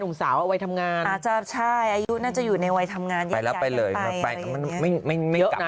หนึ่งสาววัยทำงานจะใช่อายุหนึ่งเจาะชื่อยูะในวัยทำงานแบบไปเลยมั่งอ่า